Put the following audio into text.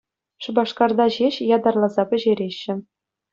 Шупашкарта ҫеҫ ятарласа пӗҫереҫҫӗ.